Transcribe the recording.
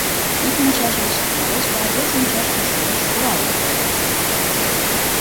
— Ик мучаш гыч тӱҥалеш да вес мучашке шумеш куралын кая.